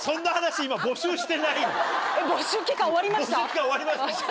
募集期間終わりました？